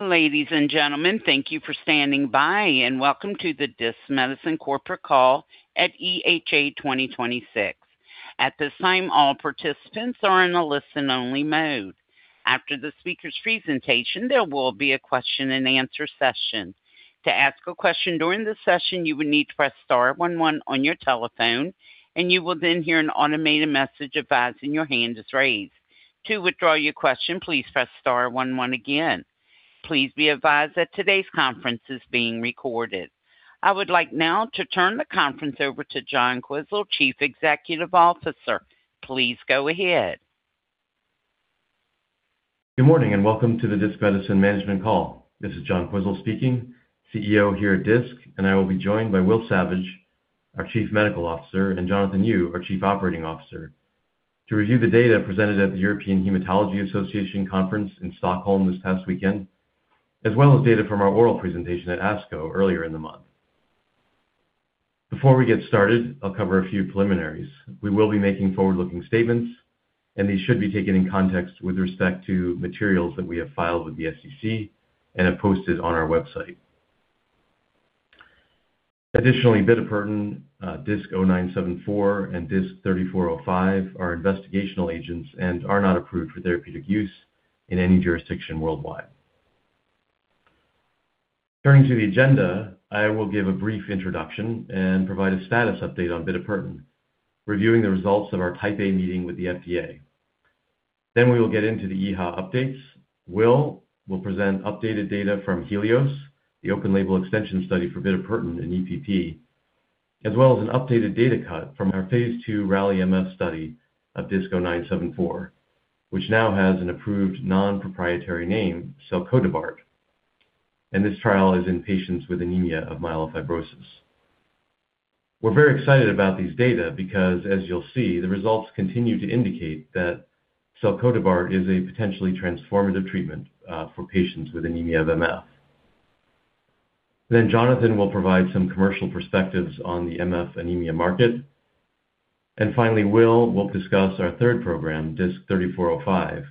Ladies and gentlemen, thank you for standing by. Welcome to the Disc Medicine Corporate Call at EHA 2026. At this time, all participants are in a listen-only mode. After the speaker's presentation, there will be a question-and-answer session. To ask a question during the session, you will need to press star one one on your telephone, and you will then hear an automated message advising your hand is raised. To withdraw your question, please press star one one again. Please be advised that today's conference is being recorded. I would like now to turn the conference over to John Quisel, Chief Executive Officer. Please go ahead. Good morning. Welcome to the Disc Medicine management call. This is John Quisel speaking, CEO here at Disc. I will be joined by Will Savage, our Chief Medical Officer, and Jonathan Yu, our Chief Operating Officer, to review the data presented at the European Hematology Association conference in Stockholm this past weekend, as well as data from our oral presentation at ASCO earlier in the month. Before we get started, I will cover a few preliminaries. We will be making forward-looking statements. These should be taken in context with respect to materials that we have filed with the SEC and have posted on our website. Additionally, bitopertin, DISC-0974, and DISC-3405 are investigational agents and are not approved for therapeutic use in any jurisdiction worldwide. Turning to the agenda, I will give a brief introduction and provide a status update on bitopertin, reviewing the results of our Type A meeting with the FDA. We will get into the EHA updates. Will present updated data from HELIOS, the open-label extension study for bitopertin in EPP, as well as an updated data cut from our phase II RALLY-MF study of DISC-0974, which now has an approved non-proprietary name, selcodebart. This trial is in patients with anemia of myelofibrosis. We are very excited about these data because, as you will see, the results continue to indicate that selcodebart is a potentially transformative treatment for patients with anemia of MF. Jonathan will provide some commercial perspectives on the MF anemia market. Finally, Will discuss our third program, DISC-3405,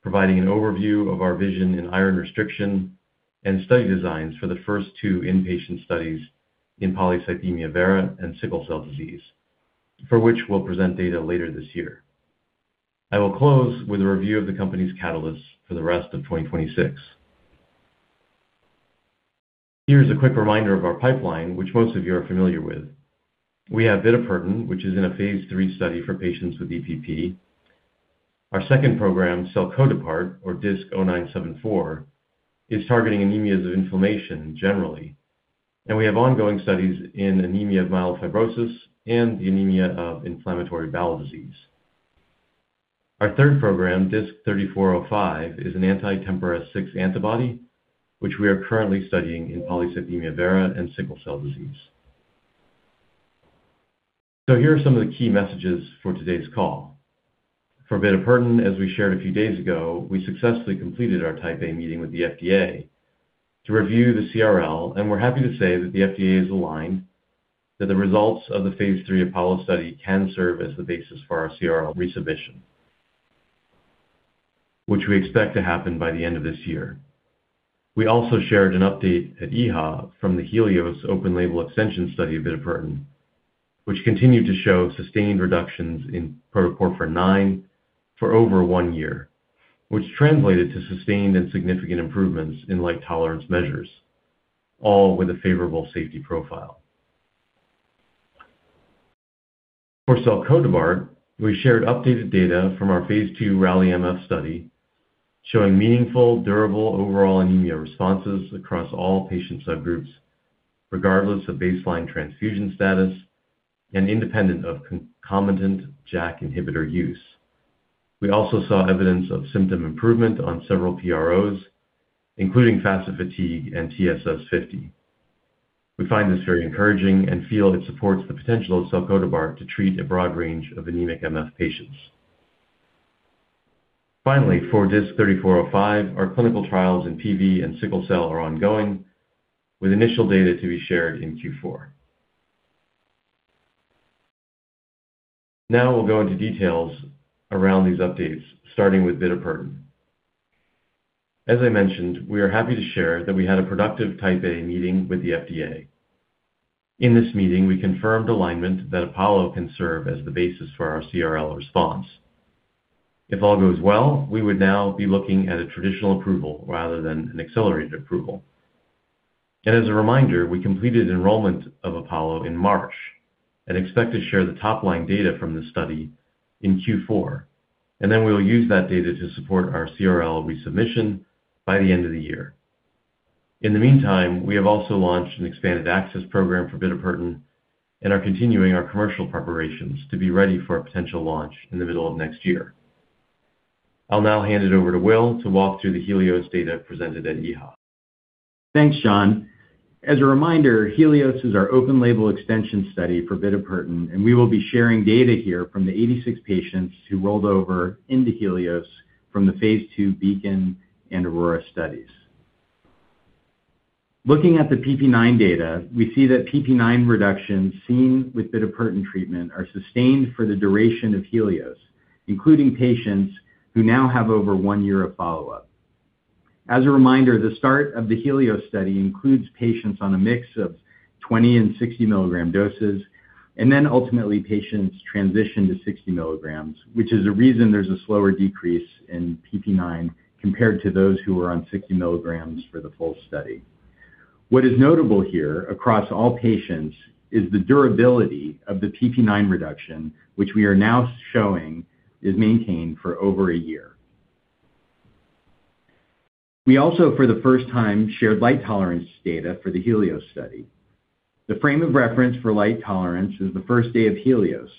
providing an overview of our vision in iron restriction and study designs for the first two inpatient studies in polycythemia vera and sickle cell disease, for which we will present data later this year. I will close with a review of the company's catalysts for the rest of 2026. Here is a quick reminder of our pipeline, which most of you are familiar with. We have bitopertin, which is in a phase III study for patients with EPP. Our second program, selcodebart, or DISC-0974, is targeting anemias of inflammation generally. We have ongoing studies in anemia of myelofibrosis and anemia of inflammatory bowel disease. Our third program, DISC-3405, is an anti-TMPRSS6 antibody, which we are currently studying in polycythemia vera and sickle cell disease. Here are some of the key messages for today's call. For bitopertin, as we shared a few days ago, we successfully completed our Type A meeting with the FDA to review the CRL. We're happy to say that the FDA is aligned that the results of the phase III APOLLO study can serve as the basis for our CRL resubmission, which we expect to happen by the end of this year. We also shared an update at EHA from the HELIOS open-label extension study of bitopertin, which continued to show sustained reductions in protoporphyrin IX for over one year, which translated to sustained and significant improvements in light tolerance measures, all with a favorable safety profile. For selcodebart, we shared updated data from our phase II RALLY-MF study showing meaningful, durable overall anemia responses across all patient subgroups, regardless of baseline transfusion status and independent of concomitant JAK inhibitor use. We also saw evidence of symptom improvement on several PROs, including FACIT-Fatigue and TSS50. We find this very encouraging and feel it supports the potential of selcodebart to treat a broad range of anemic MF patients. Finally, for DISC-3405, our clinical trials in PV and sickle cell are ongoing, with initial data to be shared in Q4. We'll go into details around these updates, starting with bitopertin. As I mentioned, we are happy to share that we had a productive Type A meeting with the FDA. In this meeting, we confirmed alignment that APOLLO can serve as the basis for our CRL response. If all goes well, we would now be looking at a traditional approval rather than an accelerated approval. As a reminder, we completed enrollment of APOLLO in March and expect to share the top-line data from the study in Q4. Then we will use that data to support our CRL resubmission by the end of the year. In the meantime, we have also launched an expanded access program for bitopertin and are continuing our commercial preparations to be ready for a potential launch in the middle of next year. I'll now hand it over to Will to walk through the HELIOS data presented at EHA. Thanks, John. As a reminder, HELIOS is our open-label extension study for bitopertin. We will be sharing data here from the 86 patients who rolled over into HELIOS from the phase II BEACON and AURORA studies. Looking at the PP9 data, we see that PP9 reductions seen with bitopertin treatment are sustained for the duration of HELIOS, including patients who now have over one year of follow-up. As a reminder, the start of the HELIOS study includes patients on a mix of 20 and 60 mg doses. Then ultimately patients transition to 60 mg, which is a reason there's a slower decrease in PP9 compared to those who are on 60 mg for the full study. What is notable here across all patients is the durability of the PP9 reduction, which we are now showing is maintained for over one year. We also, for the first time, shared light tolerance data for the HELIOS study. The frame of reference for light tolerance is the first day of HELIOS.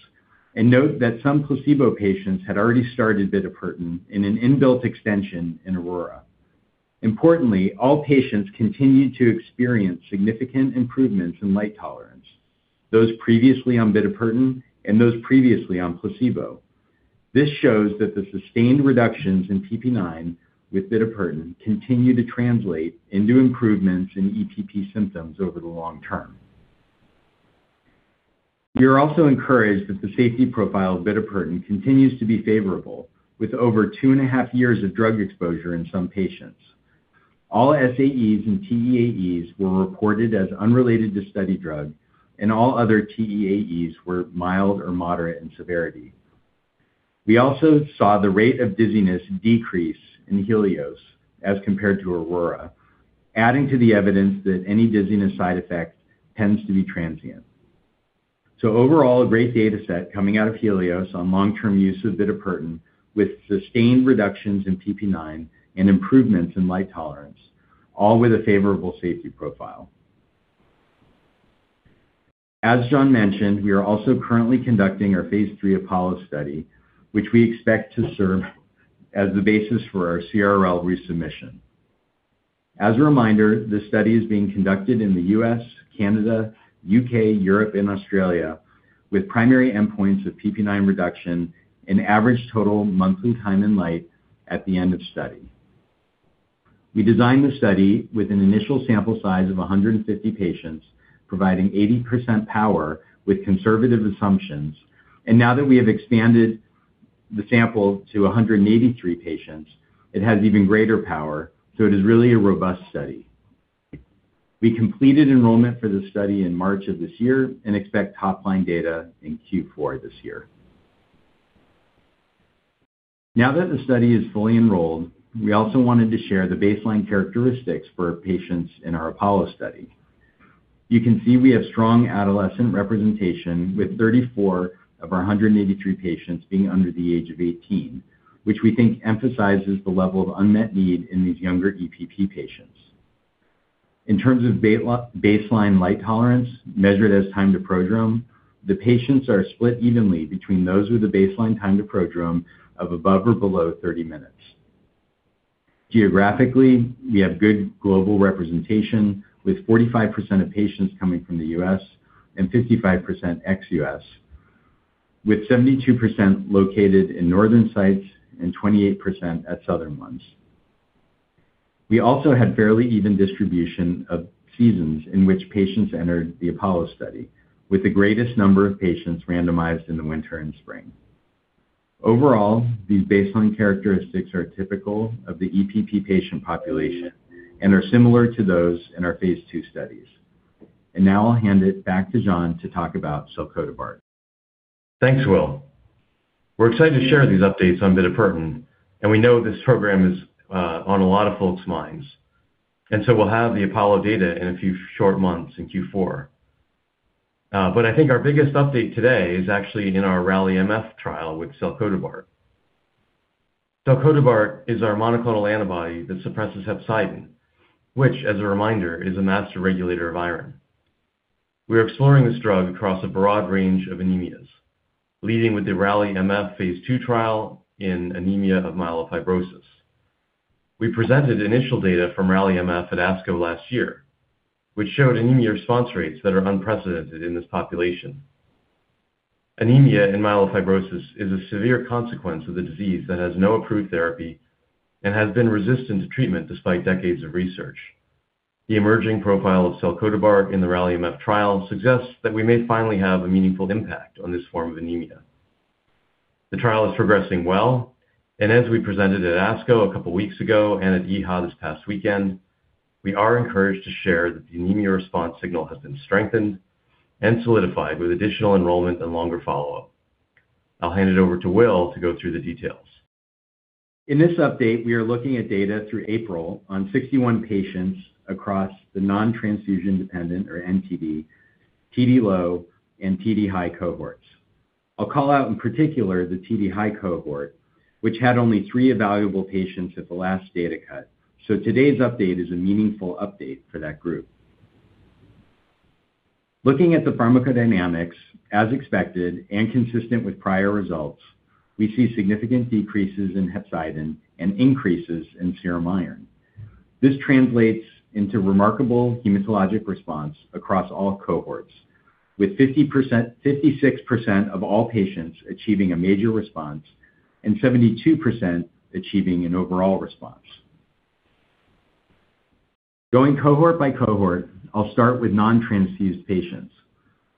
Note that some placebo patients had already started bitopertin in an inbuilt extension in AURORA. Importantly, all patients continued to experience significant improvements in light tolerance, those previously on bitopertin and those previously on placebo. This shows that the sustained reductions in PP9 with bitopertin continue to translate into improvements in EPP symptoms over the long term. We are also encouraged that the safety profile of bitopertin continues to be favorable, with over two and a half years of drug exposure in some patients. All SAEs and TEAEs were reported as unrelated to study drug. All other TEAEs were mild or moderate in severity. We also saw the rate of dizziness decrease in HELIOS as compared to AURORA, adding to the evidence that any dizziness side effect tends to be transient. Overall, a great data set coming out of HELIOS on long-term use of bitopertin, with sustained reductions in PP9 and improvements in light tolerance, all with a favorable safety profile. As John mentioned, we are also currently conducting our phase III APOLLO study, which we expect to serve as the basis for our CRL resubmission. A reminder, this study is being conducted in the U.S., Canada, U.K., Europe, and Australia, with primary endpoints of PP9 reduction and average total monthly time in light at the end of study. We designed the study with an initial sample size of 150 patients, providing 80% power with conservative assumptions. Now that we have expanded the sample to 183 patients, it has even greater power, it is really a robust study. We completed enrollment for this study in March of this year and expect top-line data in Q4 this year. Now that the study is fully enrolled, we also wanted to share the baseline characteristics for patients in our APOLLO study. You can see we have strong adolescent representation with 34 of our 183 patients being under the age of 18, which we think emphasizes the level of unmet need in these younger EPP patients. In terms of baseline light tolerance measured as time to prodrome, the patients are split evenly between those with a baseline time to prodrome of above or below 30 minutes. Geographically, we have good global representation with 45% of patients coming from the U.S. and 55% ex-U.S., with 72% located in northern sites and 28% at southern ones. We also had fairly even distribution of seasons in which patients entered the APOLLO study, with the greatest number of patients randomized in the winter and spring. Overall, these baseline characteristics are typical of the EPP patient population and are similar to those in our phase II studies. Now I'll hand it back to John to talk about bitopertin. Thanks, Will. We're excited to share these updates on bitopertin, and we know this program is on a lot of folks' minds, and so we'll have the APOLLO data in a few short months in Q4. I think our biggest update today is actually in our RALLY-MF trial with selcodebart. Selcodebart is our monoclonal antibody that suppresses hepcidin, which as a reminder, is a master regulator of iron. We are exploring this drug across a broad range of anemias, leading with the RALLY-MF phase II trial in anemia of myelofibrosis. We presented initial data from RALLY-MF at ASCO last year, which showed anemia response rates that are unprecedented in this population. Anemia in myelofibrosis is a severe consequence of the disease that has no approved therapy and has been resistant to treatment despite decades of research. The emerging profile of selcodebart in the RALLY-MF trial suggests that we may finally have a meaningful impact on this form of anemia. The trial is progressing well. As we presented at ASCO a couple weeks ago and at EHA this past weekend, we are encouraged to share that the anemia response signal has been strengthened and solidified with additional enrollment and longer follow-up. I'll hand it over to Will to go through the details. In this update, we are looking at data through April on 61 patients across the non-transfusion dependent, or NTD, TD low, and TD high cohorts. I'll call out in particular the TD high cohort, which had only three evaluable patients at the last data cut. Today's update is a meaningful update for that group. Looking at the pharmacodynamics, as expected and consistent with prior results, we see significant decreases in hepcidin and increases in serum iron. This translates into remarkable hematologic response across all cohorts With 50%, 56% of all patients achieving a major response and 72% achieving an overall response. Going cohort by cohort, I'll start with non-transfused patients.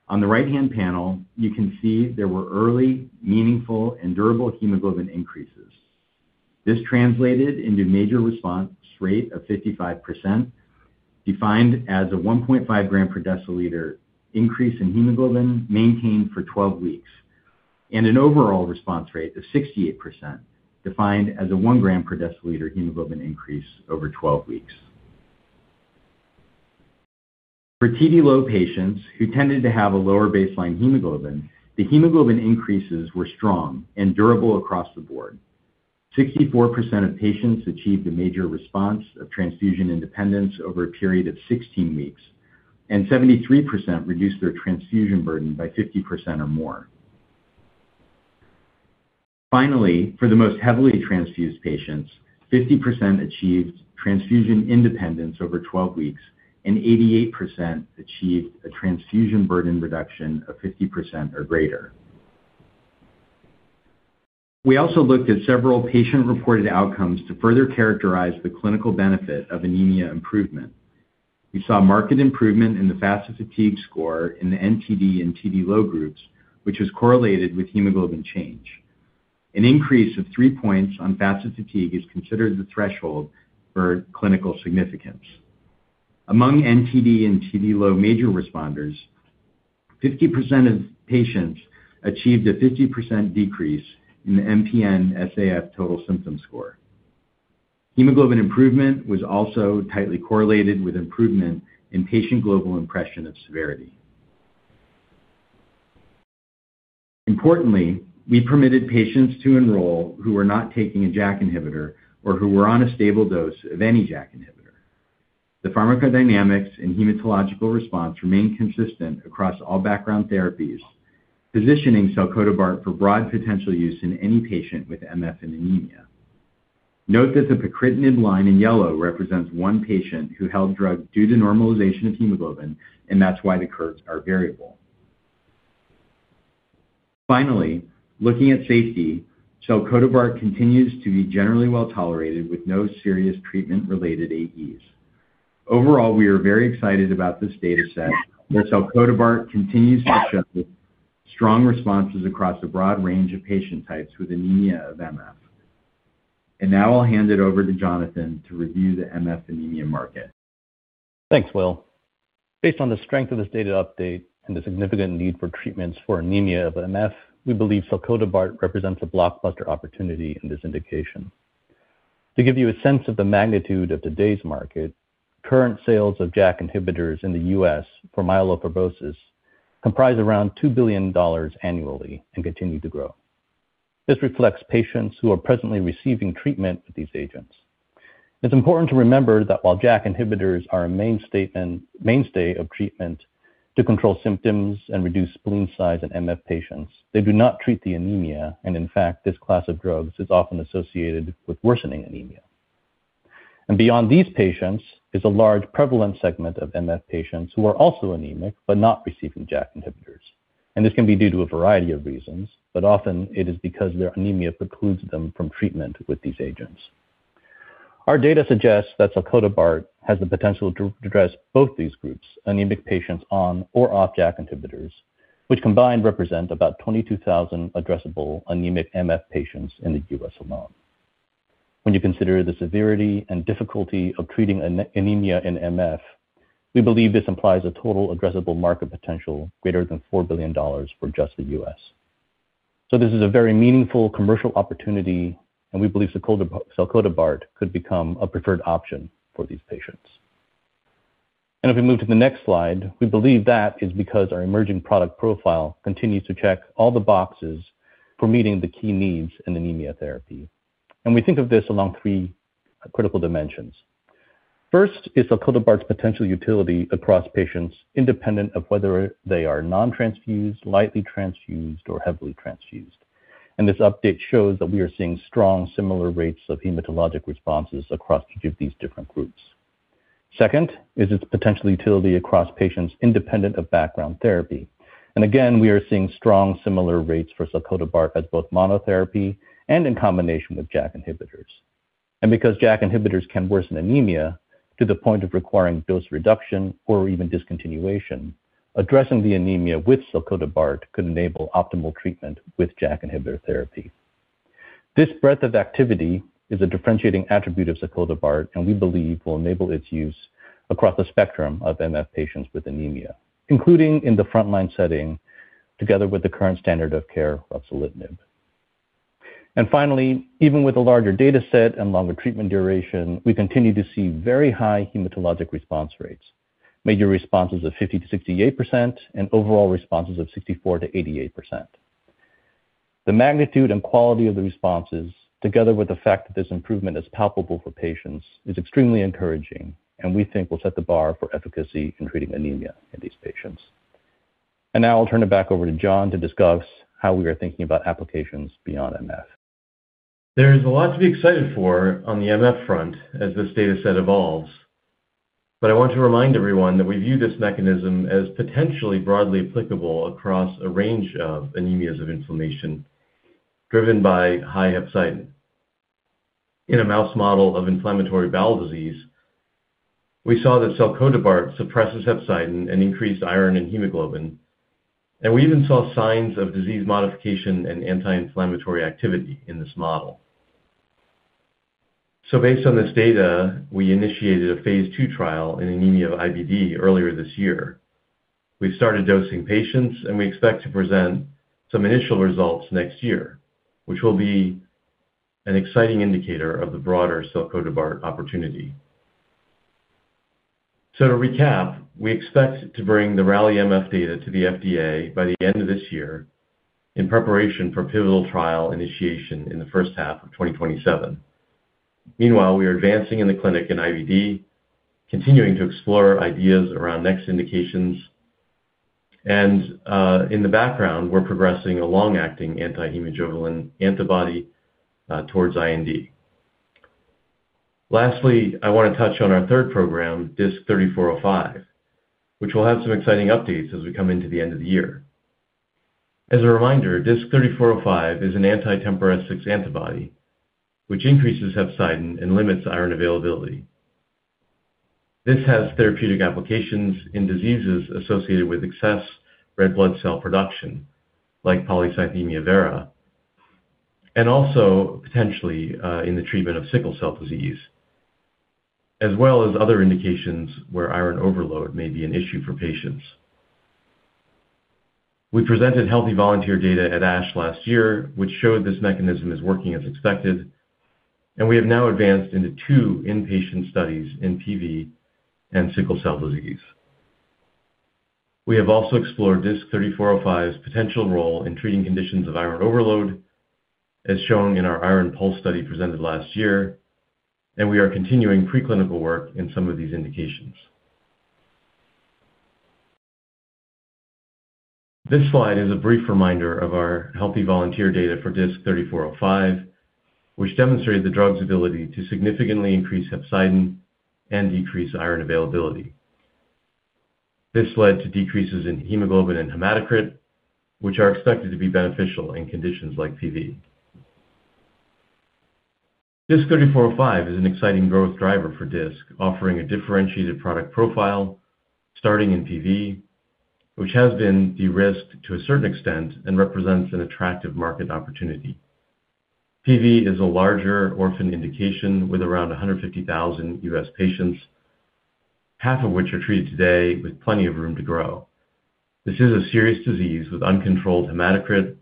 On the right-hand panel, you can see there were early, meaningful, and durable hemoglobin increases. This translated into major response rate of 55%, defined as a 1.5 g/dL increase in hemoglobin maintained for 12 weeks, and an overall response rate of 68%, defined as a 1 g/dL hemoglobin increase over 12 weeks. For TD low patients who tended to have a lower baseline hemoglobin, the hemoglobin increases were strong and durable across the board. 64% of patients achieved a major response of transfusion independence over a period of 16 weeks, and 73% reduced their transfusion burden by 50% or more. Finally, for the most heavily transfused patients, 50% achieved transfusion independence over 12 weeks and 88% achieved a transfusion burden reduction of 50% or greater. We also looked at several patient-reported outcomes to further characterize the clinical benefit of anemia improvement. We saw marked improvement in the FACIT-Fatigue score in the NTD and TD low groups, which was correlated with hemoglobin change. An increase of three points on FACIT-Fatigue is considered the threshold for clinical significance. Among NTD and TD low major responders, 50% of patients achieved a 50% decrease in the MPN-SAF total symptom score. Hemoglobin improvement was also tightly correlated with improvement in patient global impression of severity. Importantly, we permitted patients to enroll who were not taking a JAK inhibitor or who were on a stable dose of any JAK inhibitor. The pharmacodynamics and hematological response remain consistent across all background therapies, positioning selcodebart for broad potential use in any patient with MF and anemia. Note that the pacritinib line in yellow represents one patient who held drug due to normalization of hemoglobin, and that's why the curves are variable. Finally, looking at safety, selcodebart continues to be generally well-tolerated with no serious treatment-related AEs. Overall, we are very excited about this data set, where selcodebart continues to show strong responses across a broad range of patient types with anemia of MF. Now I'll hand it over to Jonathan to review the MF anemia market. Thanks, Will. Based on the strength of this data update and the significant need for treatments for anemia of MF, we believe selcodebart represents a blockbuster opportunity in this indication. To give you a sense of the magnitude of today's market, current sales of JAK inhibitors in the U.S. for myelofibrosis comprise around $2 billion annually and continue to grow. This reflects patients who are presently receiving treatment with these agents. It's important to remember that while JAK inhibitors are a mainstay of treatment to control symptoms and reduce spleen size in MF patients, they do not treat the anemia. In fact, this class of drugs is often associated with worsening anemia. Beyond these patients is a large prevalent segment of MF patients who are also anemic but not receiving JAK inhibitors. This can be due to a variety of reasons, but often it is because their anemia precludes them from treatment with these agents. Our data suggests that selcodebart has the potential to address both these groups, anemic patients on or off JAK inhibitors, which combined represent about 22,000 addressable anemic MF patients in the U.S. alone. When you consider the severity and difficulty of treating anemia in MF, we believe this implies a total addressable market potential greater than $4 billion for just the U.S. So this is a very meaningful commercial opportunity, and we believe selcodebart could become a preferred option for these patients. If we move to the next slide, we believe that is because our emerging product profile continues to check all the boxes for meeting the key needs in anemia therapy. We think of this along three critical dimensions. First is selcodebart's potential utility across patients independent of whether they are non-transfused, lightly transfused, or heavily transfused. This update shows that we are seeing strong, similar rates of hematologic responses across each of these different groups. Second is its potential utility across patients independent of background therapy. Again, we are seeing strong similar rates for selcodebart as both monotherapy and in combination with JAK inhibitors. Because JAK inhibitors can worsen anemia to the point of requiring dose reduction or even discontinuation, addressing the anemia with selcodebart could enable optimal treatment with JAK inhibitor therapy. This breadth of activity is a differentiating attribute of selcodebart, and we believe will enable its use across the spectrum of MF patients with anemia, including in the frontline setting, together with the current standard of care of ruxolitinib. Finally, even with a larger data set and longer treatment duration, we continue to see very high hematologic response rates, major responses of 50%-68%, and overall responses of 64%-88%. The magnitude and quality of the responses, together with the fact that this improvement is palpable for patients, is extremely encouraging and we think will set the bar for efficacy in treating anemia in these patients. Now I'll turn it back over to John to discuss how we are thinking about applications beyond MF. There's a lot to be excited for on the MF front as this data set evolves. I want to remind everyone that we view this mechanism as potentially broadly applicable across a range of anemias of inflammation driven by high hepcidin. In a mouse model of inflammatory bowel disease, we saw that selcodebart suppresses hepcidin and increased iron and hemoglobin, and we even saw signs of disease modification and anti-inflammatory activity in this model. Based on this data, we initiated a phase II trial in anemia IBD earlier this year. We've started dosing patients, and we expect to present some initial results next year, which will be an exciting indicator of the broader selcodebart opportunity. To recap, we expect to bring the RALLY-MF data to the FDA by the end of this year in preparation for pivotal trial initiation in the first half of 2027. Meanwhile, we are advancing in the clinic in IBD, continuing to explore ideas around next indications, and in the background, we're progressing a long-acting anti-hemojuvelin antibody towards IND. Lastly, I want to touch on our third program, DISC-3405, which will have some exciting updates as we come into the end of the year. As a reminder, DISC-3405 is an anti-TMPRSS6 antibody, which increases hepcidin and limits iron availability. This has therapeutic applications in diseases associated with excess red blood cell production, like polycythemia vera, and also potentially in the treatment of sickle cell disease, as well as other indications where iron overload may be an issue for patients. We presented healthy volunteer data at ASH last year, which showed this mechanism is working as expected, and we have now advanced into two inpatient studies in PV and sickle cell disease. We have also explored DISC-3405's potential role in treating conditions of iron overload, as shown in our iron pulse study presented last year, and we are continuing preclinical work in some of these indications. This slide is a brief reminder of our healthy volunteer data for DISC-3405, which demonstrated the drug's ability to significantly increase hepcidin and decrease iron availability. This led to decreases in hemoglobin and hematocrit, which are expected to be beneficial in conditions like PV. DISC-3405 is an exciting growth driver for Disc, offering a differentiated product profile starting in PV, which has been de-risked to a certain extent and represents an attractive market opportunity. PV is a larger orphan indication with around 150,000 U.S. patients, half of which are treated today, with plenty of room to grow. This is a serious disease with uncontrolled hematocrit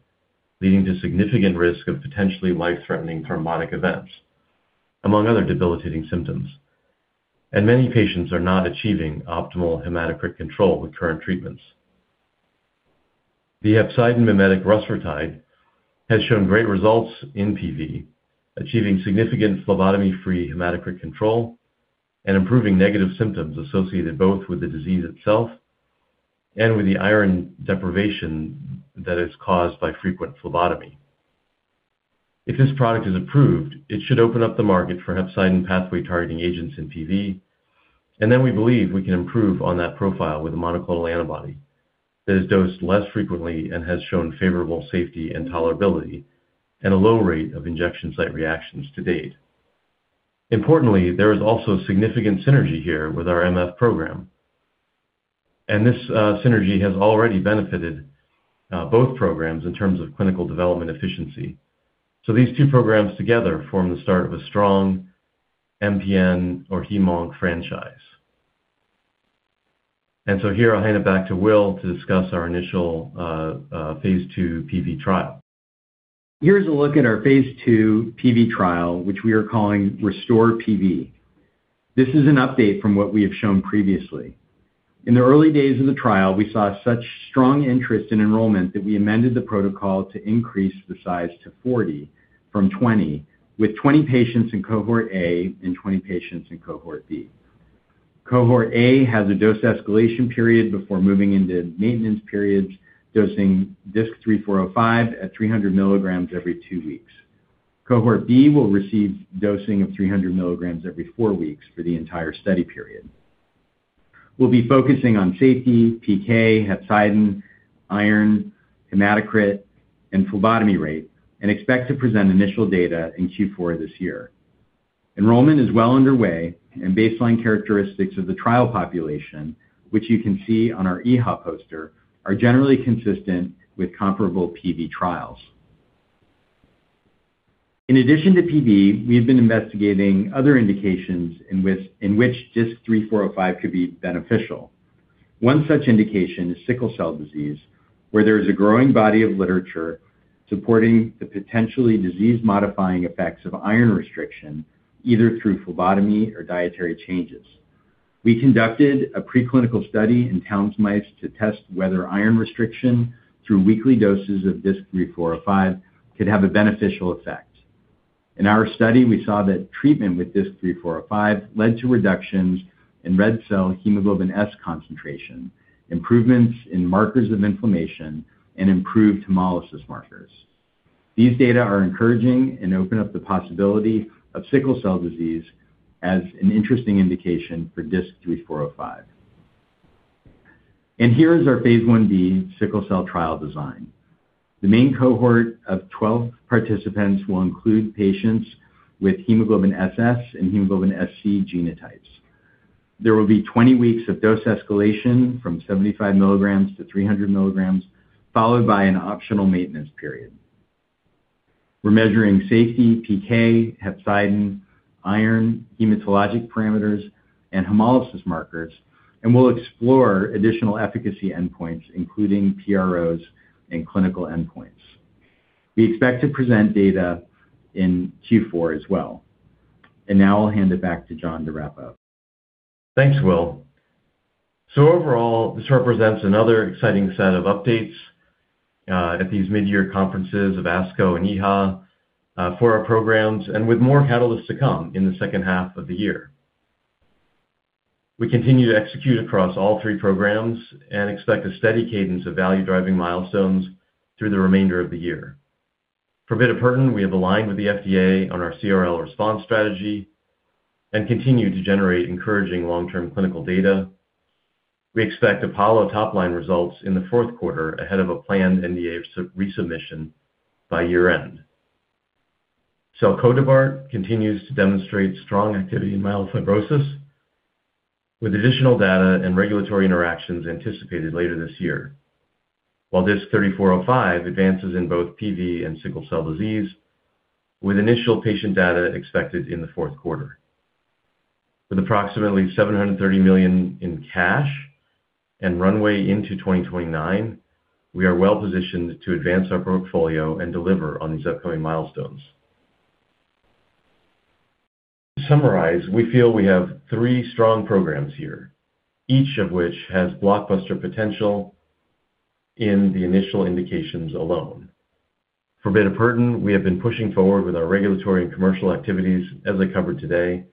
leading to significant risk of potentially life-threatening thrombotic events, among other debilitating symptoms. Many patients are not achieving optimal hematocrit control with current treatments. The hepcidin mimetic rusfertide has shown great results in PV, achieving significant phlebotomy-free hematocrit control and improving negative symptoms associated both with the disease itself and with the iron deprivation that is caused by frequent phlebotomy. If this product is approved, it should open up the market for hepcidin-pathway-targeting agents in PV. Then we believe we can improve on that profile with a monoclonal antibody that is dosed less frequently and has shown favorable safety and tolerability and a low rate of injection site reactions to date. Importantly, there is also significant synergy here with our MF program, and this synergy has already benefited both programs in terms of clinical development efficiency. These two programs together form the start of a strong MPN or hem-onc franchise. Here I'll hand it back to Will to discuss our initial phase II PV trial. Here's a look at our phase II PV trial, which we are calling RESTORE-PV. This is an update from what we have shown previously. In the early days of the trial, we saw such strong interest in enrollment that we amended the protocol to increase the siz e to 40 from 20, with 20 patients in cohort A and 20 patients in cohort B. Cohort A has a dose escalation period before moving into maintenance periods, dosing DISC-3405 at 300 mg every two weeks. Cohort B will receive dosing of 300 mg every four weeks for the entire study period. We'll be focusing on safety, PK, hepcidin, iron, hematocrit, and phlebotomy rate, and expect to present initial data in Q4 this year. Enrollment is well underway, and baseline characteristics of the trial population, which you can see on our EHA poster, are generally consistent with comparable PV trials. In addition to PV, we have been investigating other indications in which DISC-3405 could be beneficial. One such indication is sickle cell disease, where there is a growing body of literature supporting the potentially disease-modifying effects of iron restriction, either through phlebotomy or dietary changes. We conducted a preclinical study in Townes mice to test whether iron restriction through weekly doses of DISC-3405 could have a beneficial effect. In our study, we saw that treatment with DISC-3405 led to reductions in red cell hemoglobin S concentration, improvements in markers of inflammation, and improved hemolysis markers. These data are encouraging and open up the possibility of sickle cell disease as an interesting indication for DISC-3405. Here is our phase Ib sickle cell trial design. The main cohort of 12 participants will include patients with hemoglobin SS and hemoglobin SC genotypes. There will be 20 weeks of dose escalation from 75 mg-300 mg, followed by an optional maintenance period. We're measuring safety, PK, hepcidin, iron, hematologic parameters, and hemolysis markers, and we'll explore additional efficacy endpoints, including PROs and clinical endpoints. We expect to present data in Q4 as well. Now I'll hand it back to John to wrap up. Thanks, Will. Overall, this represents another exciting set of updates at these mid-year conferences of ASCO and EHA for our programs, and with more catalysts to come in the second half of the year. We continue to execute across all three programs and expect a steady cadence of value-driving milestones through the remainder of the year. For bitopertin, we have aligned with the FDA on our CRL response strategy and continue to generate encouraging long-term clinical data. We expect APOLLO top-line results in the fourth quarter ahead of a planned NDA resubmission by year-end. Selcodebart continues to demonstrate strong activity in myelofibrosis with additional data and regulatory interactions anticipated later this year. DISC-3405 advances in both PV and sickle cell disease with initial patient data expected in the fourth quarter. With approximately $730 million in cash and runway into 2029, we are well-positioned to advance our portfolio and deliver on these upcoming milestones. To summarize, we feel we have three strong programs here, each of which has blockbuster potential in the initial indications alone. For bitopertin, we have been pushing forward with our regulatory and commercial activities as I covered today,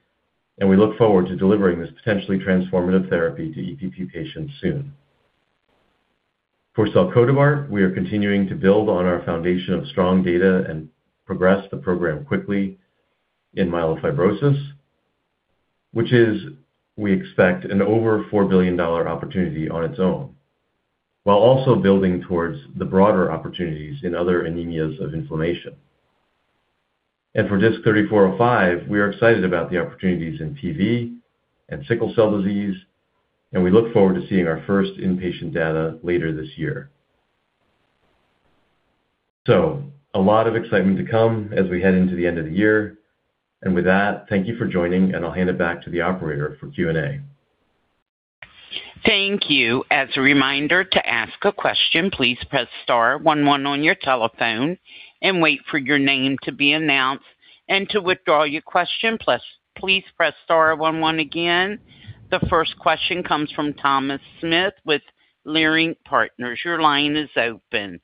and we look forward to delivering this potentially transformative therapy to EPP patients soon. For selcodebart, we are continuing to build on our foundation of strong data and progress the program quickly in myelofibrosis, which is, we expect, an over $4 billion opportunity on its own, while also building towards the broader opportunities in other anemias of inflammation. For DISC-3405, we are excited about the opportunities in PV and sickle cell disease, and we look forward to seeing our first inpatient data later this year. A lot of excitement to come as we head into the end of the year. With that, thank you for joining, and I'll hand it back to the operator for Q&A. Thank you. As a reminder to ask a question, please press star one one on your telephone and wait for your name to be announced. To withdraw your question, please press star one one again. The first question comes from Thomas Smith with Leerink Partners. Your line is open.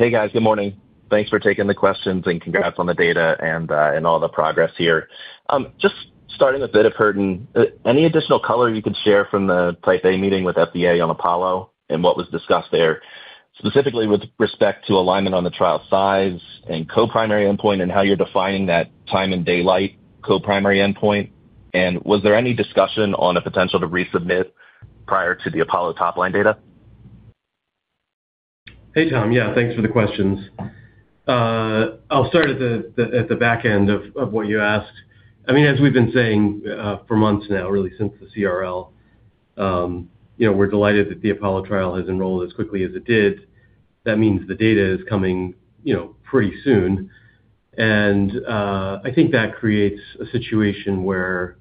Hey, guys. Good morning. Thanks for taking the questions and congrats on the data and all the progress here. Just starting with bitopertin. Any additional color you could share from the Type A meeting with FDA on APOLLO and what was discussed there, specifically with respect to alignment on the trial size and co-primary endpoint and how you're defining that time and daylight co-primary endpoint? Was there any discussion on a potential to resubmit prior to the APOLLO top-line data? Hey, Tom. Yeah, thanks for the questions. I'll start at the back end of what you asked. As we've been saying for months now, really since the CRL, we're delighted that the APOLLO trial has enrolled as quickly as it did. That means the data is coming pretty soon. I think that creates a situation where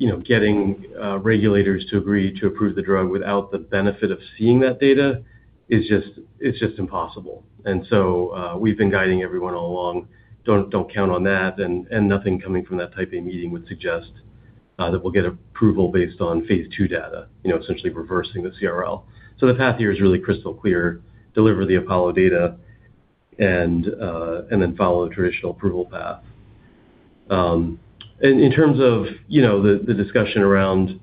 getting regulators to agree to approve the drug without the benefit of seeing that data is just impossible. We've been guiding everyone all along, don't count on that, and nothing coming from that Type A meeting would suggest that we'll get approval based on phase II data, essentially reversing the CRL. The path here is really crystal clear. Deliver the APOLLO data and then follow the traditional approval path. In terms of the discussion around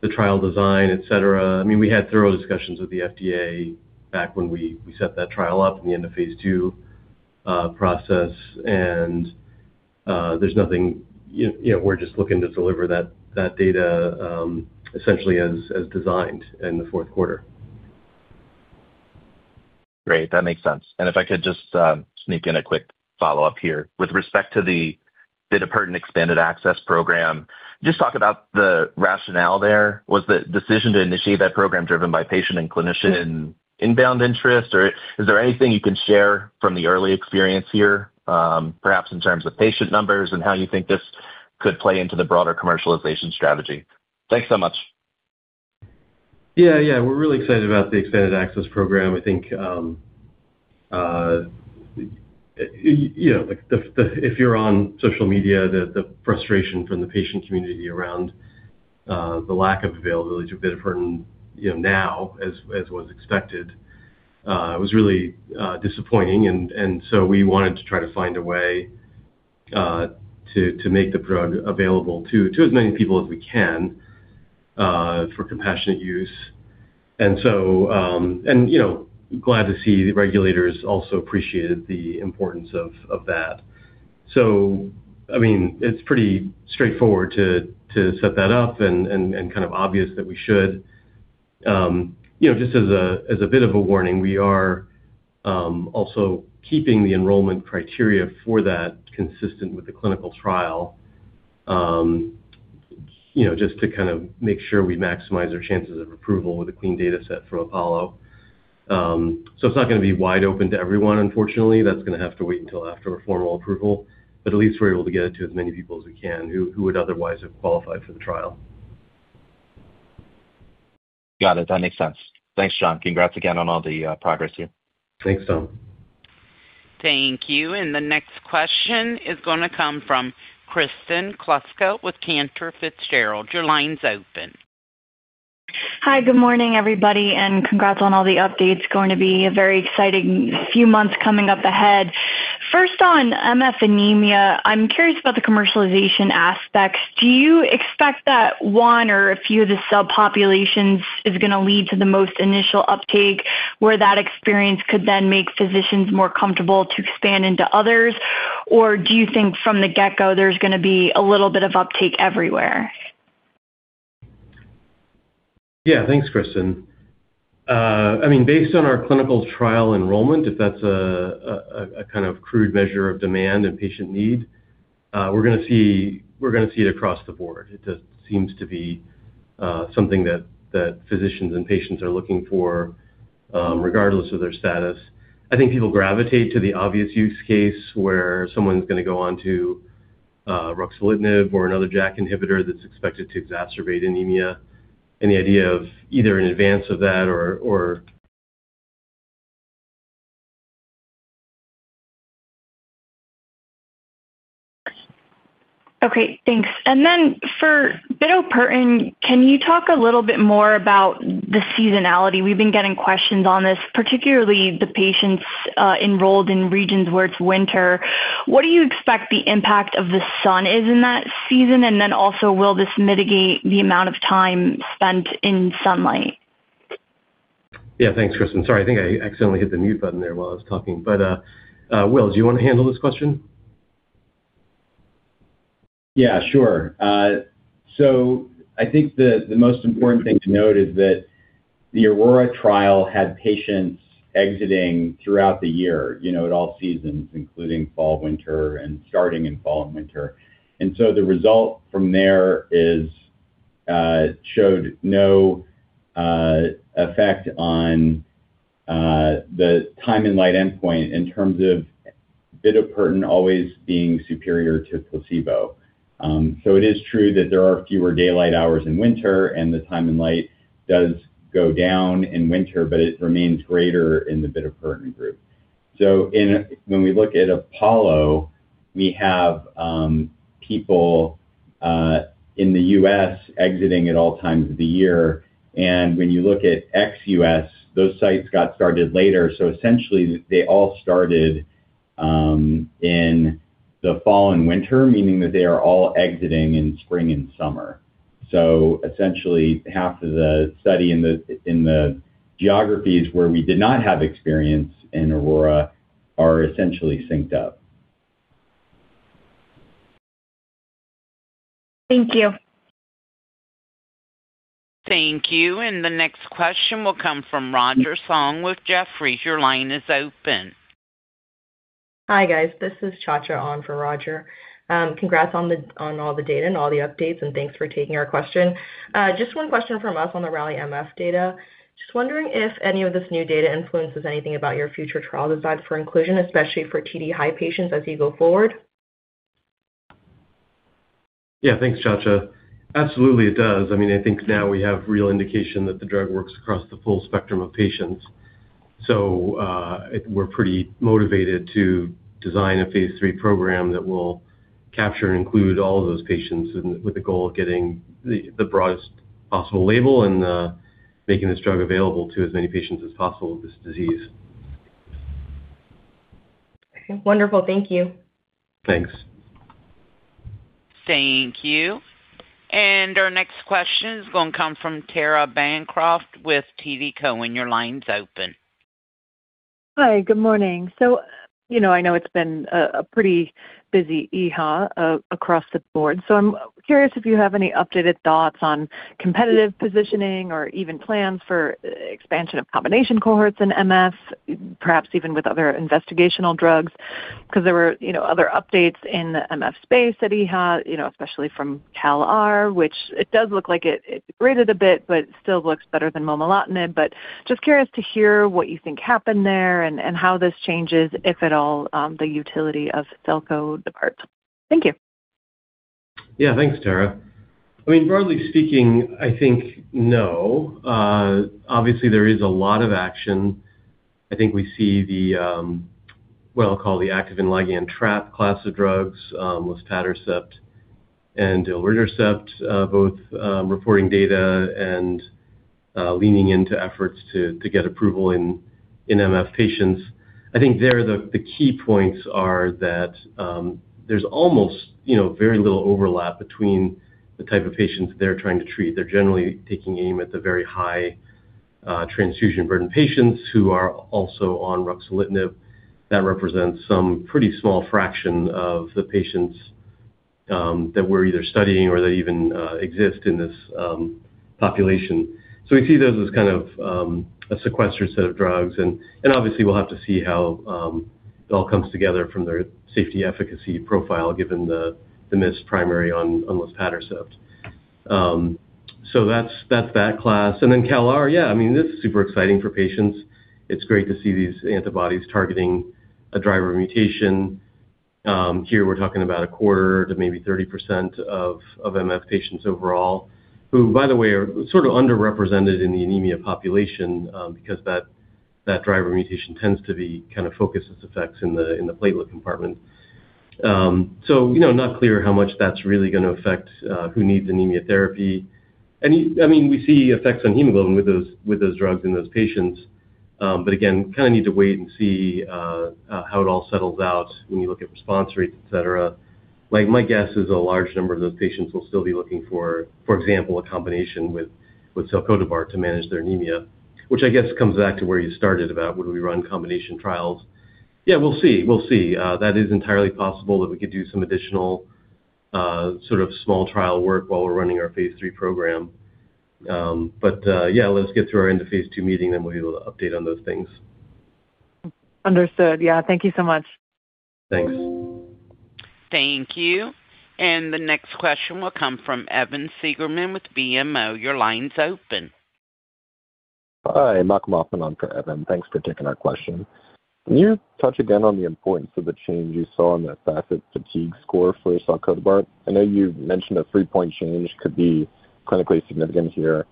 the trial design, et cetera, we had thorough discussions with the FDA back when we set that trial up in the end of phase II process. There's nothing. We're just looking to deliver that data essentially as designed in the fourth quarter. Great. That makes sense. If I could just sneak in a quick follow-up here. With respect to the bitopertin expanded access program, just talk about the rationale there. Was the decision to initiate that program driven by patient and clinician inbound interest, or is there anything you can share from the early experience here, perhaps in terms of patient numbers and how you think this could play into the broader commercialization strategy? Thanks so much. Yeah. We're really excited about the expanded access program. I think if you're on social media, the frustration from the patient community around the lack of availability to bitopertin now as was expected was really disappointing. We wanted to try to find a way to make the drug available to as many people as we can for compassionate use. Glad to see regulators also appreciated the importance of that. It's pretty straightforward to set that up and kind of obvious that we should. Just as a bit of a warning, we are also keeping the enrollment criteria for that consistent with the clinical trial, just to make sure we maximize our chances of approval with a clean data set for APOLLO. It's not going to be wide open to everyone, unfortunately. That's going to have to wait until after formal approval. At least we're able to get it to as many people as we can who would otherwise have qualified for the trial. Got it. That makes sense. Thanks, John. Congrats again on all the progress here. Thanks, Tom. Thank you. The next question is going to come from Kristen Kluska with Cantor Fitzgerald. Your line's open. Hi, good morning, everybody, and congrats on all the updates. Going to be a very exciting few months coming up ahead. First on MF anemia, I'm curious about the commercialization aspects. Do you expect that one or a few of the subpopulations is going to lead to the most initial uptake, where that experience could then make physicians more comfortable to expand into others? Do you think from the get-go, there's going to be a little bit of uptake everywhere? Yeah, thanks, Kristen. Based on our clinical trial enrollment, if that's a kind of crude measure of demand and patient need, we're going to see it across the board. It just seems to be something that physicians and patients are looking for, regardless of their status. I think people gravitate to the obvious use case where someone's going to go onto ruxolitinib or another JAK inhibitor that's expected to exacerbate anemia. The idea of either in advance of that or. Okay, thanks. And then, for bitopertin, can you talk a little bit more about the seasonality? We've been getting questions on this, particularly the patients enrolled in regions where it's winter. What do you expect the impact of the sun is in that season? Also, will this mitigate the amount of time spent in sunlight? Yeah, thanks, Kristen. Sorry, I think I accidentally hit the mute button there while I was talking. Will, do you want to handle this question? Yeah, sure. I think the most important thing to note is that the AURORA trial had patients exiting throughout the year, at all seasons, including fall, winter, and starting in fall and winter. The result from there showed no effect on the time in light endpoint in terms of bitopertin always being superior to placebo. It is true that there are fewer daylight hours in winter and the time in light does go down in winter, but it remains greater in the bitopertin group. When we look at APOLLO, we have people in the U.S. exiting at all times of the year. When you look at ex-U.S., those sites got started later. Essentially they all started in the fall and winter, meaning that they are all exiting in spring and summer. Essentially half of the study in the geographies where we did not have experience in AURORA are essentially synced up. Thank you. Thank you. The next question will come from Roger Song with Jefferies. Your line is open. Hi, guys. This is Cha Cha on for Roger. Congrats on all the data and all the updates and thanks for taking our question. Just one question from us on the RALLY-MF data. Just wondering if any of this new data influences anything about your future trial designs for inclusion, especially for TD high patients as you go forward? Yeah, thanks, Cha Cha. Absolutely it does. I think now we have real indication that the drug works across the full spectrum of patients. We're pretty motivated to design a phase III program that will capture and include all of those patients with the goal of getting the broadest possible label and making this drug available to as many patients as possible with this disease. Okay. Wonderful. Thank you. Thanks. Thank you. Our next question is going to come from Tara Bancroft with TD Cowen. Your line's open. Hi. Good morning. I know it's been a pretty busy EHA across the board. I'm curious if you have any updated thoughts on competitive positioning or even plans for expansion of combination cohorts in MF, perhaps even with other investigational drugs. Because there were other updates in the MF space at EHA, especially from CALR, which it does look like it degraded a bit but still looks better than momelotinib. Just curious to hear what you think happened there and how this changes, if at all, the utility of selcodebart. Thank you. Yeah, thanks, Tara. Broadly speaking, I think no. Obviously there is a lot of action. I think we see what I'll call the activin ligand trap class of drugs with luspatercept and sotatercept both reporting data and leaning into efforts to get approval in MF patients. I think there the key points are that there's almost very little overlap between the type of patients they're trying to treat. They're generally taking aim at the very high transfusion burden patients who are also on ruxolitinib. That represents some pretty small fraction of the patients that we're either studying or that even exist in this population. We see those as kind of a sequester set of drugs, and obviously we'll have to see how it all comes together from their safety efficacy profile, given the miss primary on luspatercept. That's that class. CALR, yeah, I mean this is super exciting for patients. It's great to see these antibodies targeting a driver mutation. Here we're talking about a quarter to maybe 30% of MF patients overall, who by the way, are sort of underrepresented in the anemia population because that driver mutation tends to focus its effects in the platelet compartment. Not clear how much that's really going to affect who needs anemia therapy. We see effects on hemoglobin with those drugs in those patients. Again, kind of need to wait and see how it all settles out when you look at response rates, et cetera. My guess is a large number of those patients will still be looking for example, a combination with selcodebart to manage their anemia. Which I guess comes back to where you started about would we run combination trials. Yeah, we'll see. That is entirely possible that we could do some additional sort of small trial work while we're running our phase III program. Yeah, let's get through our end of phase II meeting, then we'll update on those things. Understood. Yeah. Thank you so much. Thanks. Thank you. The next question will come from Evan Segerman with BMO. Your line's open. Hi, Malcolm Hoffman on for Evan, thanks for taking our question. Can you touch again on the importance of the change you saw in that FACIT-Fatigue score for selcodebart? I know you mentioned a three-point change could be clinically significant here.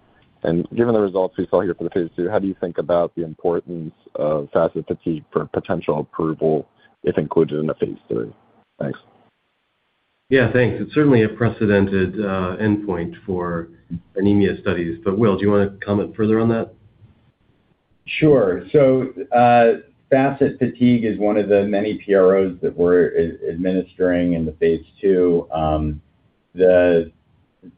Given the results we saw here for the phase II, how do you think about the importance of FACIT-Fatigue for potential approval if included in the phase III? Thanks. Yeah, thanks. It's certainly a precedented endpoint for anemia studies. Will, do you want to comment further on that? Sure. FACIT-Fatigue is one of the many PROs that we're administering in the phase II.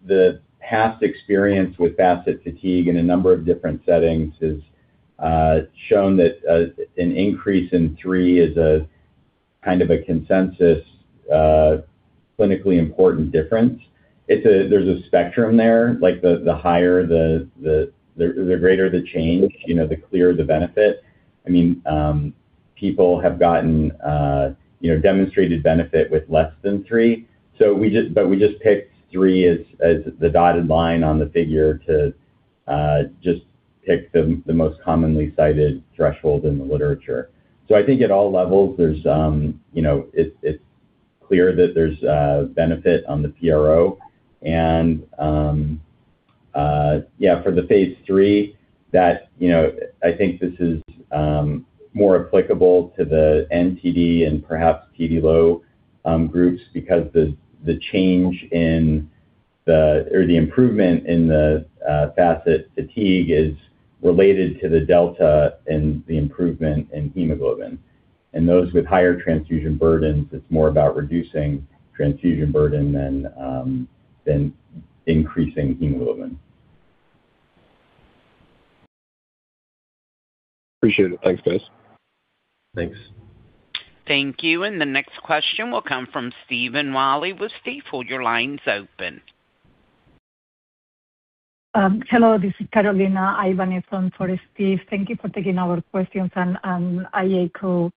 The past experience with FACIT-Fatigue in a number of different settings has shown that an increase in three is a kind of a consensus clinically important difference. There's a spectrum there, the greater the change, the clearer the benefit. People have gotten demonstrated benefit with less than three. We just picked three as the dotted line on the figure to just pick the most commonly cited threshold in the literature. I think at all levels, it's clear that there's benefit on the PRO and for the phase III, I think this is more applicable to the NTD and perhaps TD low groups because the improvement in the FACIT-Fatigue is related to the delta in the improvement in hemoglobin. Those with higher transfusion burdens, it's more about reducing transfusion burden than increasing hemoglobin. Appreciate it. Thanks, guys. Thanks. Thank you. The next question will come from Stephen Willey with Stifel. Hold your lines open. Hello, this is Carolina Ibanez on for Steve. Thank you for taking our questions and I echo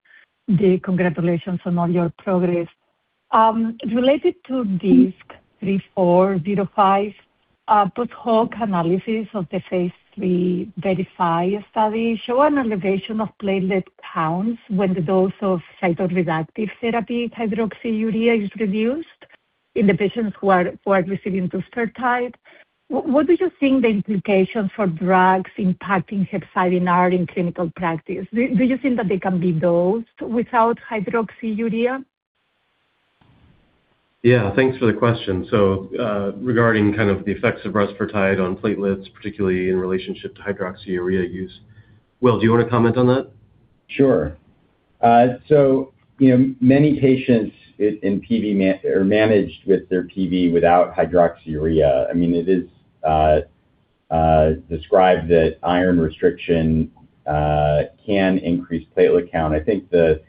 the congratulations on all your progress. Related to DISC-3405, post hoc analysis of the phase III VERIFY study show an elevation of platelet counts when the dose of cytoreductive therapy hydroxyurea is reduced in the patients who are receiving rusfertide. What do you think the implications for drugs impacting hepcidin are in clinical practice? Do you think that they can be dosed without hydroxyurea? Thanks for the question. Regarding kind of the effects of rusfertide on platelets, particularly in relationship to hydroxyurea use. Will, do you want to comment on that? Sure. Many patients are managed with their PV without hydroxyurea. It is described that iron restriction can increase platelet count. I think the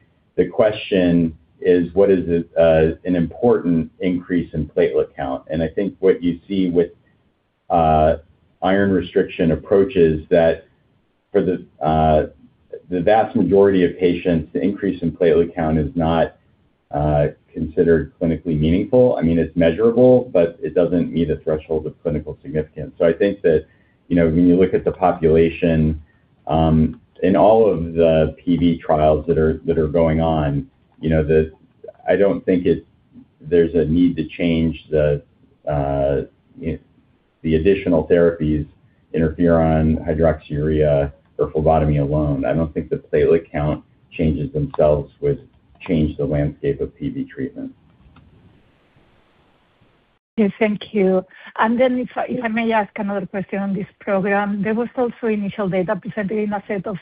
question is what is an important increase in platelet count? I think what you see with iron restriction approaches that for the vast majority of patients, the increase in platelet count is not considered clinically meaningful. It's measurable, but it doesn't meet a threshold of clinical significance. I think that when you look at the population in all of the PV trials that are going on, I don't think there's a need to change the additional therapies, interferon, hydroxyurea, or phlebotomy alone. I don't think the platelet count changes themselves would change the landscape of PV treatment. Yes, thank you. If I may ask another question on this program. There was also initial data presented in a set of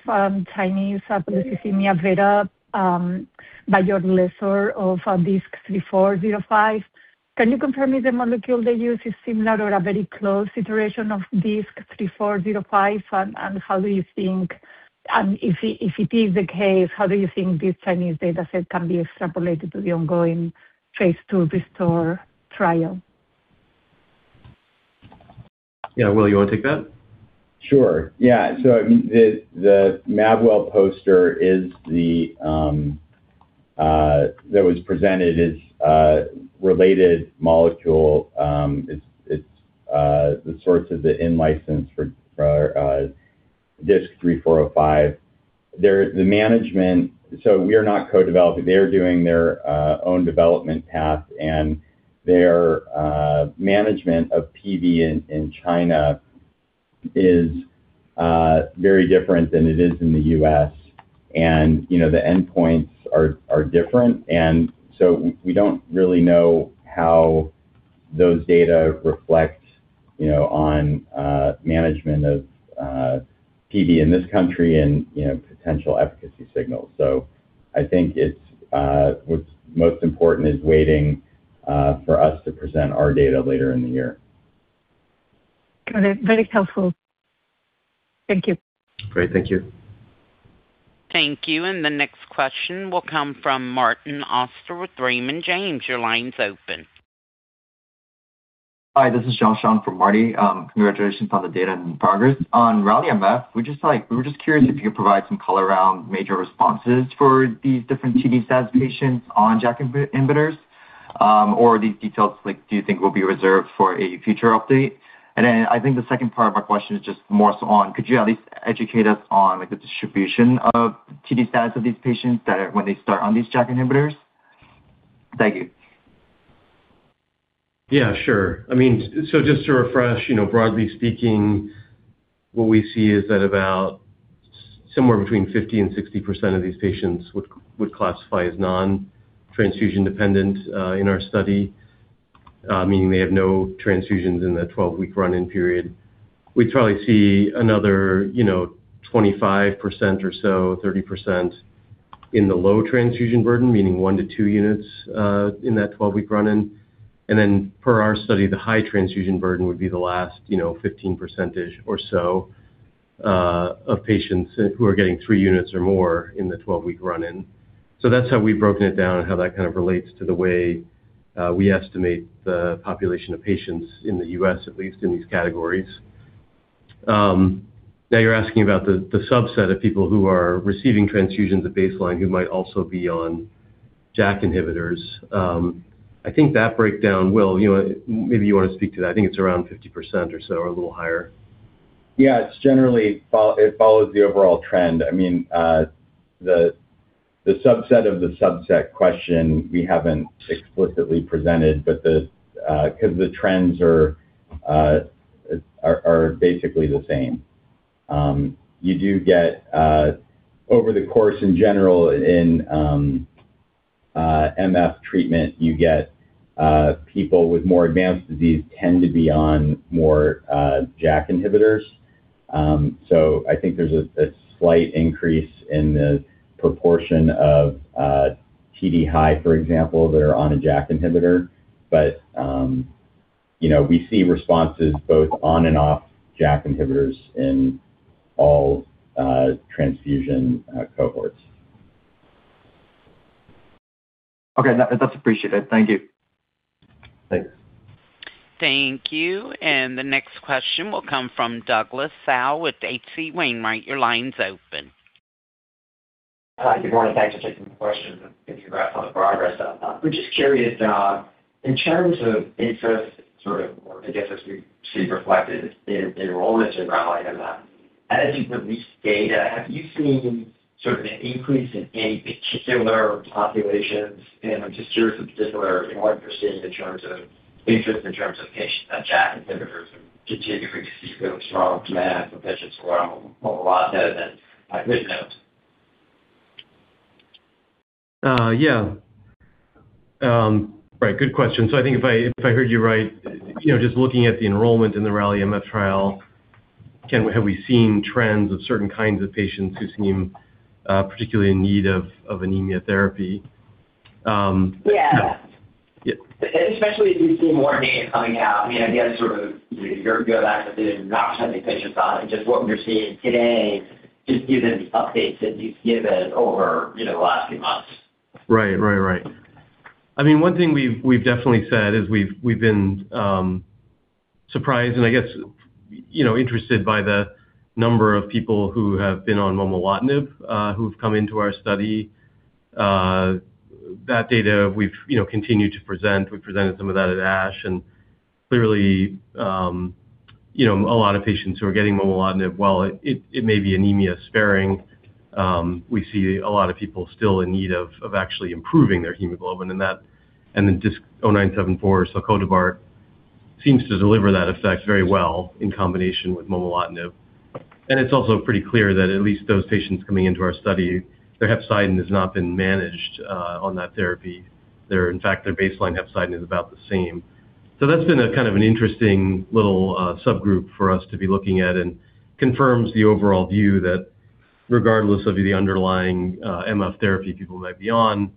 Chinese polycythemia vera, by Jordan Lesser of DISC-3405. Can you confirm if the molecule they use is similar to a very close iteration of DISC-3405? If it is the case, how do you think this Chinese data set can be extrapolated to the ongoing phase II RESTORE trial? Will, you want to take that? Sure. Yeah. The Mabwell poster that was presented is a related molecule. It's the source of the in-license for DISC-3405. We are not co-developing. They're doing their own development path, and their management of PV in China is very different than it is in the U.S. The endpoints are different, we don't really know how those data reflect on management of PV in this country and potential efficacy signals. I think what's most important is waiting for us to present our data later in the year. Got it. Very helpful. Thank you. Great. Thank you. Thank you. The next question will come from Martin Auster with Raymond James. Your line's open. Hi, this is Shaoshang from Marty. Congratulations on the data and progress. On RALLY-MF, we were just curious if you could provide some color around major responses for these different TD status patients on JAK inhibitors, or these details, do you think will be reserved for a future update? I think the second part of our question is just more so on could you at least educate us on the distribution of TD status of these patients when they start on these JAK inhibitors? Thank you. Yeah, sure. Just to refresh, broadly speaking, what we see is that about somewhere between 50% and 60% of these patients would classify as non-transfusion dependent in our study, meaning they have no transfusions in the 12-week run-in period. We'd probably see another, you know, 25% or so, 30% in the low transfusion burden, meaning one to two units in that 12-week run-in. Per our study, the high transfusion burden would be the last 15% or so of patients who are getting three units or more in the 12-week run-in. That's how we've broken it down and how that kind of relates to the way we estimate the population of patients in the U.S., at least in these categories. Now you're asking about the subset of people who are receiving transfusions at baseline who might also be on JAK inhibitors. I think that breakdown, Will, maybe you want to speak to that. I think it's around 50% or so, or a little higher. Yeah, it follows the overall trend. The subset of the subset question we haven't explicitly presented because the trends are basically the same. Over the course, in general, in MF treatment, you get people with more advanced disease tend to be on more JAK inhibitors. I think there's a slight increase in the proportion of TD high, for example, that are on a JAK inhibitor. We see responses both on and off JAK inhibitors in all transfusion cohorts. Okay. That's appreciated. Thank you. Thanks. Thank you. The next question will come from Douglas Tsao with H.C. Wainwright. Your line's open. Hi. Good morning. Thanks for taking the question and congrats on the progress. We're just curious, in terms of interest or I guess as we see reflected in enrollment in RALLY-MF, as you've released data, have you seen sort of an increase in any particular populations? I'm just curious in particular what you're seeing in terms of interest in terms of patients on JAK inhibitors and continuing to see sort of strong demand from patients who are on momelotinib. Yeah. Right. Good question. I think if I heard you right, just looking at the enrollment in the RALLY-MF trial, have we seen trends of certain kinds of patients who seem particularly in need of anemia therapy? Yeah. Yeah. As we see more data coming out, I guess, you have access to an option that these patients are on and just what you're seeing today, just given the updates that you've given over the last few months. Right. One thing we've definitely said is we've been surprised and I guess interested by the number of people who have been on momelotinib who've come into our study. That data we've continued to present. We presented some of that at ASH. A lot of patients who are getting momelotinib, while it may be anemia-sparing, we see a lot of people still in need of actually improving their hemoglobin and that DISC-0974, selcodebart, seems to deliver that effect very well in combination with momelotinib. It's also pretty clear that at least those patients coming into our study, their hepcidin has not been managed on that therapy. In fact, their baseline hepcidin is about the same. That's been a kind of an interesting little subgroup for us to be looking at and confirms the overall view that regardless of the underlying MF therapy people might be on,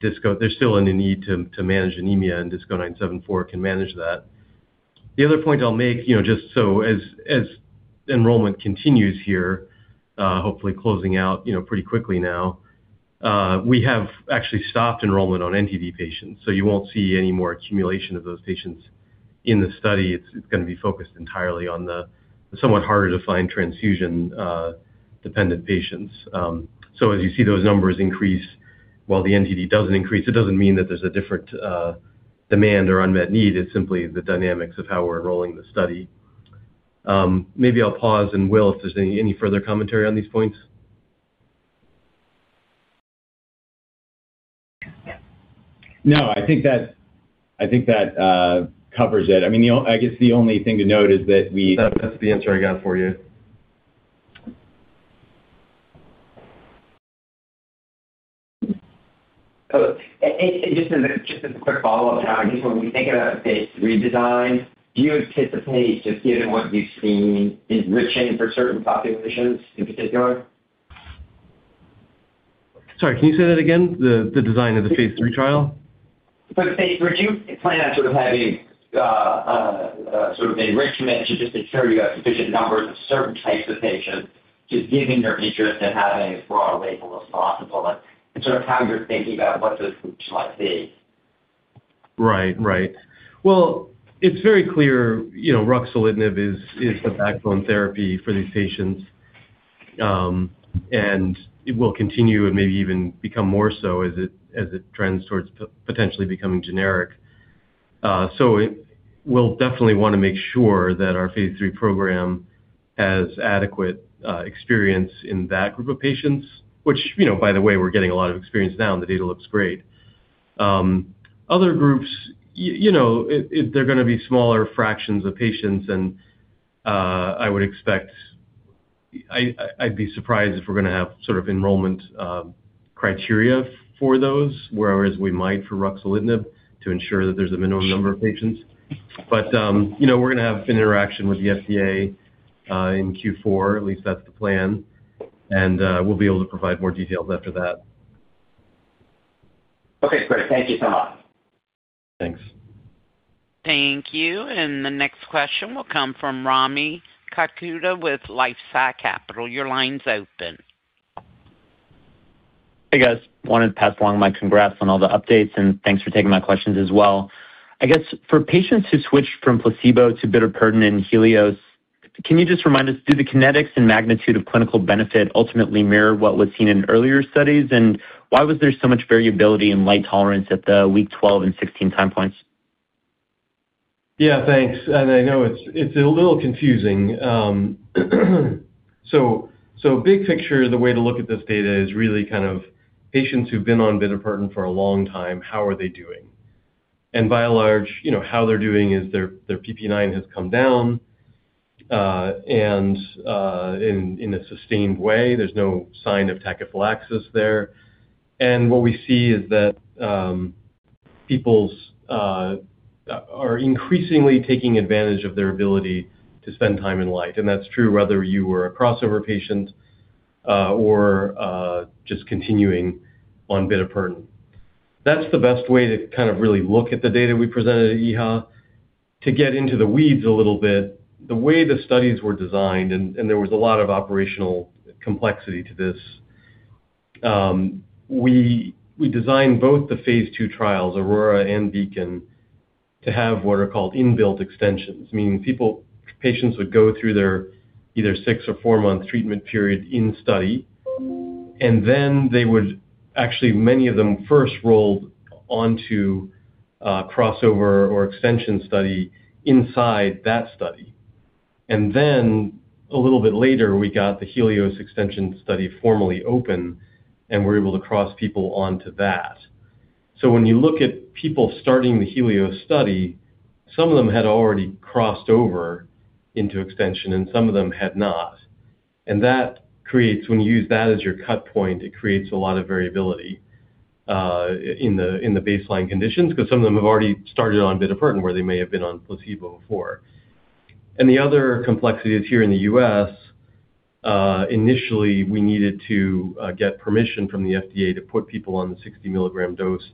there's still a need to manage anemia and DISC-0974 can manage that. The other point I'll make, just so as enrollment continues here, hopefully closing out pretty quickly now, we have actually stopped enrollment on NTD patients, so you won't see any more accumulation of those patients in the study. It's going to be focused entirely on the somewhat harder-to-find transfusion-dependent patients. As you see those numbers increase, while the NTD doesn't increase, it doesn't mean that there's a different demand or unmet need. It's simply the dynamics of how we're enrolling the study. Maybe I'll pause and, Will, if there's any further commentary on these points? No, I think that covers it. I guess the only thing to note is that. That's the answer I got for you. Just as a quick follow-up now, just when we think about a phase III design, do you anticipate, just given what you've seen, enriching for certain populations in particular? Sorry, can you say that again, the design of the phase III trial? For phase III, do you plan on having sort of enrichment to just ensure you have sufficient numbers of certain types of patients, just given your interest in having as broad a label as possible, and sort of how you're thinking about what those groups might be? Well, it's very clear ruxolitinib is the backbone therapy for these patients, and it will continue and maybe even become more so as it trends towards potentially becoming generic. We'll definitely want to make sure that our phase III program has adequate experience in that group of patients, which, by the way, we're getting a lot of experience now, and the data looks great. Other groups, they're going to be smaller fractions of patients, and I'd be surprised if we're going to have sort of enrollment criteria for those, whereas we might for ruxolitinib to ensure that there's a minimum number of patients. We're going to have an interaction with the FDA in Q4, at least that's the plan, and we'll be able to provide more details after that. Okay, great. Thank you so much. Thanks. Thank you. The next question will come from Rami Katkhuda with LifeSci Capital. Your line's open. Hey, guys. Wanted to pass along my congrats on all the updates, and thanks for taking my questions as well. I guess for patients who switched from placebo to bitopertin in HELIOS, can you just remind us, do the kinetics and magnitude of clinical benefit ultimately mirror what was seen in earlier studies? Why was there so much variability in light tolerance at the week 12 and 16x points? Yeah, thanks. Big picture, the way to look at this data is really kind of patients who've been on bitopertin for a long time, how are they doing? By and large, how they're doing is their PP9 has come down and in a sustained way. There's no sign of tachyphylaxis there. And what we see is that people are increasingly taking advantage of their ability to spend time in light, and that's true whether you were a crossover patient or just continuing on bitopertin. That's the best way to kind of really look at the data we presented at EHA. To get into the weeds a little bit, the way the studies were designed, and there was a lot of operational complexity to this, we designed both the phase II trials, AURORA and BEACON, to have what are called inbuilt extensions, meaning patients would go through their either six or four-month treatment period in study, and then they would actually, many of them, first rolled onto a crossover or extension study inside that study. Then a little bit later, we got the HELIOS extension study formally open, and we were able to cross people onto that. When you look at people starting the HELIOS study, some of them had already crossed over into extension, and some of them had not. When you use that as your cut point, it creates a lot of variability in the baseline conditions because some of them have already started on bitopertin, where they may have been on placebo before. The other complexity is here in the U.S., initially, we needed to get permission from the FDA to put people on the 60 mg dose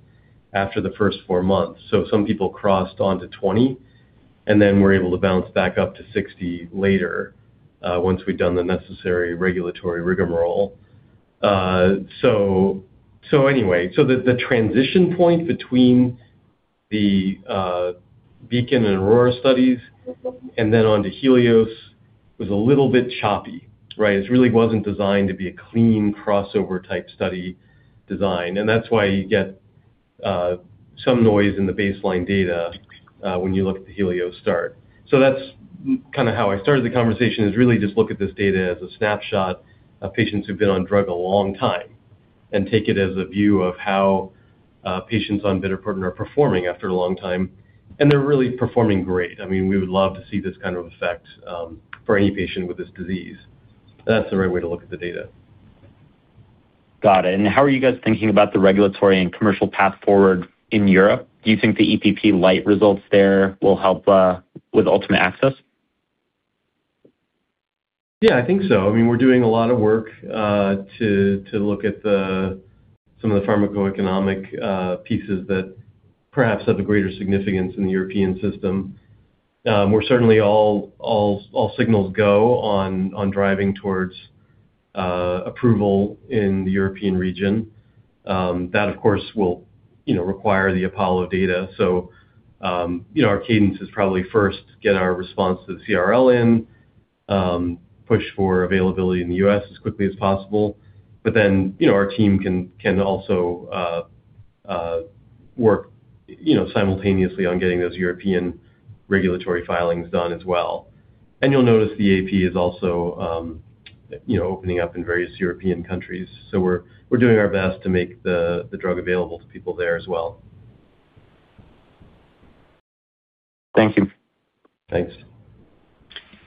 after the first four months. Some people crossed onto 20 and then were able to bounce back up to 60 later once we'd done the necessary regulatory rigmarole. Anyway, the transition point between the BEACON and AURORA studies and then onto HELIOS was a little bit choppy, right? It really wasn't designed to be a clean crossover-type study design, That's why you get some noise in the baseline data when you look at the HELIOS start. That's how I started the conversation, is really just look at this data as a snapshot of patients who've been on drug a long time and take it as a view of how patients on bitopertin are performing after a long time, They're really performing great. We would love to see this kind of effect for any patient with this disease. That's the right way to look at the data. Got it. How are you guys thinking about the regulatory and commercial path forward in Europe? Do you think the EPP light results there will help with ultimate access? Yeah, I think so. We're doing a lot of work to look at some of the pharmacoeconomic pieces that perhaps have a greater significance in the European system. We're certainly all signals go on driving towards approval in the European region. That, of course, will require the APOLLO data. Our cadence is probably first get our response to the CRL in, push for availability in the U.S. as quickly as possible. Our team can also work simultaneously on getting those European regulatory filings done as well. You'll notice the AP is also opening up in various European countries. We're doing our best to make the drug available to people there as well. Thank you. Thanks.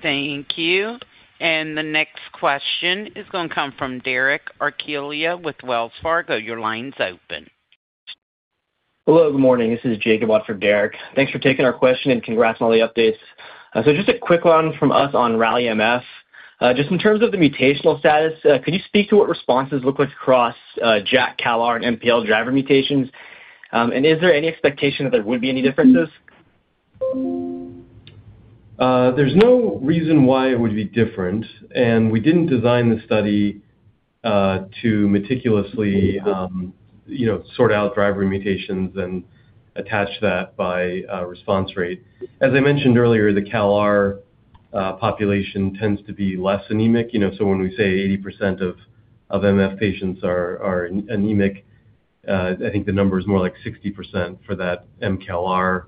Thank you. The next question is going to come from Derek Archila with Wells Fargo. Your line's open. Hello, good morning. This is Jacob, watching for Derek. Thanks for taking our question, and congrats on all the updates. Just a quick one from us on RALLY-MF. Just in terms of the mutational status, could you speak to what responses look like across JAK, CALR, and MPL driver mutations? Is there any expectation that there would be any differences? There's no reason why it would be different, we didn't design the study to meticulously sort out driver mutations and attach that by response rate. As I mentioned earlier, the CALR population tends to be less anemic. When we say 80% of MF patients are anemic, I think the number is more like 60% for that CALR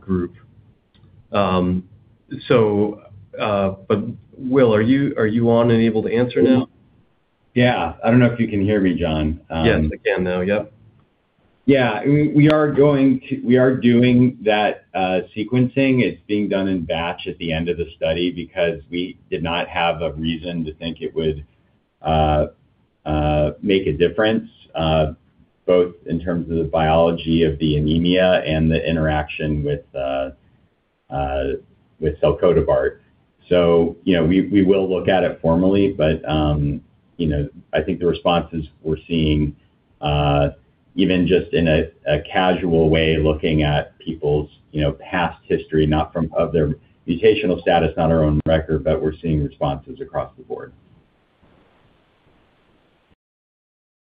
group. Will, are you on and able to answer now? Yeah. I don't know if you can hear me, John. Yes, I can now. Yep. Yeah, we are doing that sequencing. It's being done in batch at the end of the study because we did not have a reason to think it would make a difference, both in terms of the biology of the anemia and the interaction with selcodebart. We will look at it formally, but I think the responses we're seeing, even just in a casual way, looking at people's past history, not from of their mutational status on our own record, but we're seeing responses across the board.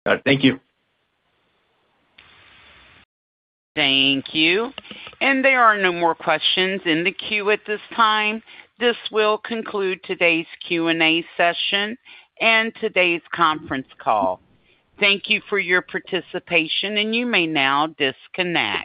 All right. Thank you. Thank you. There are no more questions in the queue at this time. This will conclude today's Q&A session and today's conference call. Thank you for your participation, and you may now disconnect.